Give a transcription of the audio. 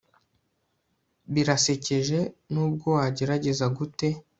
birasekeje nubwo wagerageza gute